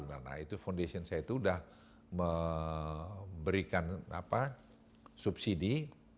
nah itu foundation saya itu sudah memberikan subsidi